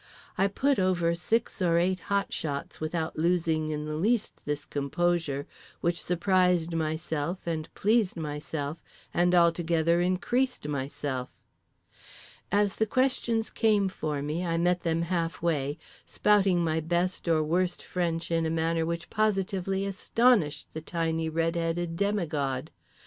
I put over six or eight hot shots without losing in the least this composure, which surprised myself and pleased myself and altogether increased myself. As the questions came for me I met them half way, spouting my best or worst French in a manner which positively astonished the tiny red headed demigod.